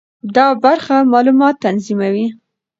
دا برخه معلومات تنظیموي.